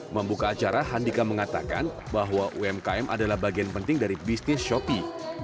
membuka acara handika mengatakan bahwa umkm adalah bagian penting dari bisnis shopee